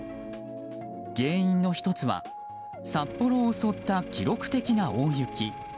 原因の１つは札幌を襲った記録的な大雪。